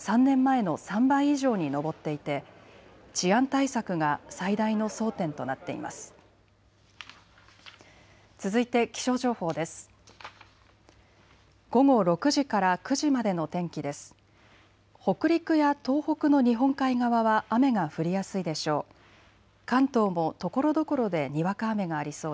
北陸や東北の日本海側は雨が降りやすいでしょう。